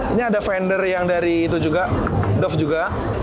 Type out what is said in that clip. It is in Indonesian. ini ada vendor yang dari itu juga dof juga